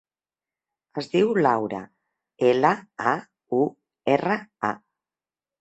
Es diu Laura: ela, a, u, erra, a.